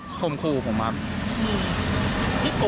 เหตุการณ์เกิดขึ้นแถวคลองแปดลำลูกกา